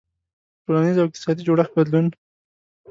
• د ټولنیز او اقتصادي جوړښت بدلون.